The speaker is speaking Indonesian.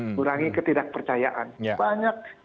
mengurangi ketidakpercayaan banyak